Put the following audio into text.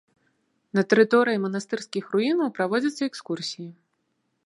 На тэрыторыі манастырскіх руінаў праводзяцца экскурсіі.